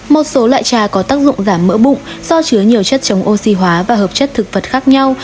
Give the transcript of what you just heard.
một số loại trà có tác dụng giảm mỡ bụng do chứa nhiều chất chống oxy hóa và hợp chất thực vật khác nhau